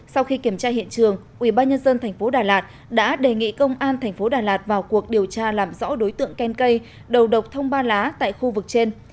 sau khi kiểm tra hiện trường ubnd tp đà lạt đã đề nghị công an tp đà lạt vào cuộc điều tra làm rõ đối tượng khen cây đầu độc thông ba lá tại khu vực trên